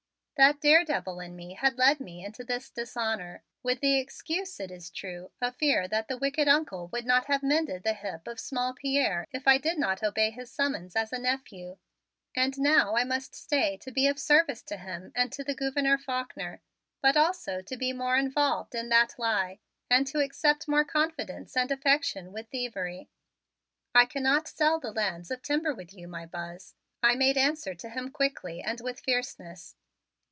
That daredevil in me had led me into this dishonor, with the excuse, it is true, of fear that the wicked Uncle would not have mended the hip of small Pierre if I did not obey his summons as a nephew. And now I must stay to be of service to him and to the Gouverneur Faulkner but also to be more involved in that lie and to accept more confidence and affection with thievery. "I cannot sell the lands of timber with you, my Buzz," I made answer to him quickly and with fierceness.